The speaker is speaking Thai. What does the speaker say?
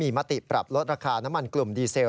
มีมติปรับลดราคาน้ำมันกลุ่มดีเซล